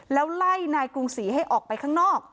แล้วไล่นายกรุงศรีให้ออกไปข้างนอก